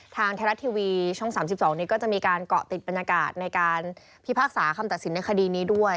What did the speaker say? ทางไทยรัฐทีวีช่อง๓๒นี้ก็จะมีการเกาะติดบรรยากาศในการพิพากษาคำตัดสินในคดีนี้ด้วย